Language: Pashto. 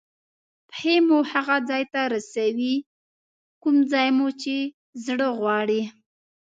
پښې مو هغه ځای ته رسوي کوم ځای مو چې زړه غواړي.